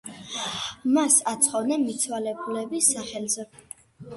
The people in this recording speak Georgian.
მას აცხობდნენ მიცვალებულის სახელზე.